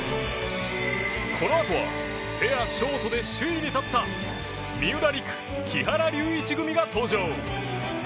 このあとはペアショートで首位に立った三浦璃来・木原龍一組が登場。